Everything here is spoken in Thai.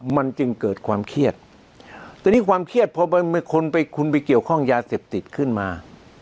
มันจึงเกิดความเครียดแต่นี่ความเครียดพอคนไปคุณไปเกี่ยวข้องยาเสพติดขึ้นมา